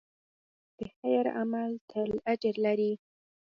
د خیر عمل تل اجر لري.